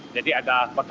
jadi ada kota